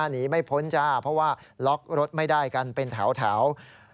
หนีไม่พ้นจ้าเพราะว่าล็อกรถไม่ได้กันเป็นแถว